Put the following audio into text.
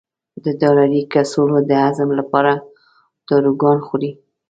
د ډالري کڅوړو د هضم لپاره داروګان خوري.